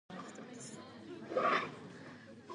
The pressure rises to a maximum level.